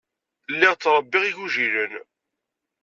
Lliɣ ttṛebbiɣ igujilen.